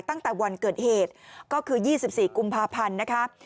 ตั้งแต่วันเกิดเหตุก็คือ๒๔กุมภาพันธ์นะคะ